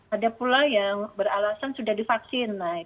ada pula yang beralasan sudah divaksin